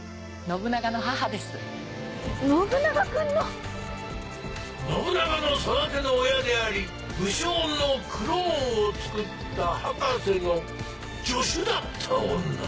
信長君の⁉信長の育ての親であり武将のクローンをつくった博士の助手だった女。